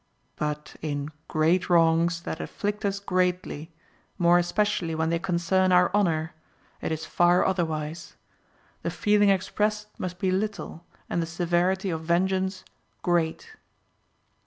But in great wrongs that afflict us greatly, more especially when they concern our honour, it is far otherwise, the feeling expressed must be little and the severity of vengeance great.